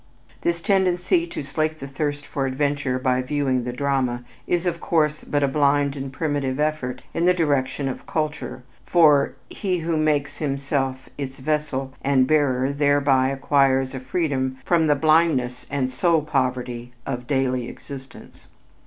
This tendency to slake the thirst for adventure by viewing the drama is, of course, but a blind and primitive effort in the direction of culture, for "he who makes himself its vessel and bearer thereby acquires a freedom from the blindness and soul poverty of daily existence."